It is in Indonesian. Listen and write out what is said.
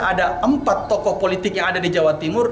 ada empat tokoh politik yang ada di jawa timur